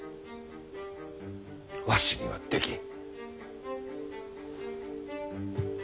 わしにはできん。